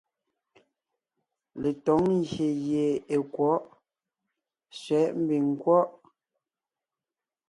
Letǒŋ ngyè gie è kwɔ̌ʼ ( sẅɛ̌ʼ mbiŋ nkwɔ́ʼ).